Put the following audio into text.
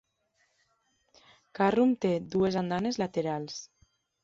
Carrum té dues andanes laterals.